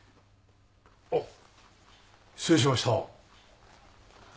あ失礼しました。